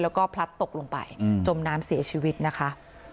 แล้วก็พลัดตกลงไปจมน้ำเสียชีวิตนะคะ